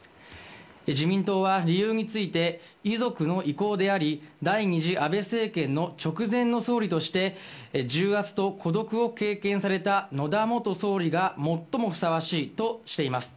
自民党は理由について、遺族の意向であり、第２次安倍政権の直前の総理として重圧と孤独を経験された野田元総理が最もふさわしいとしています。